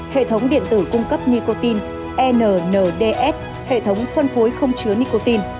hệ thống điện tử cung cấp nicotine nds hệ thống phân phối không chứa nicotine